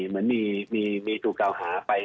เหมือนมีสู่เก่าหาไป